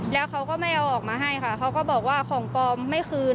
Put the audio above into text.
แล้วเขาก็ไม่เอาออกมาให้ค่ะเขาก็บอกว่าของปลอมไม่คืน